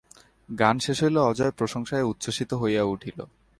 গান শেষ হইলে অজয় প্রশংসায় উচ্ছসিত হইয়া উঠিল।